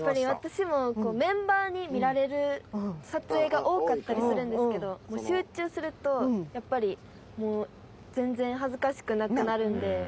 やっぱり私もこうメンバーに見られる撮影が多かったりするんですけど集中するとやっぱり全然恥ずかしくなくなるんで。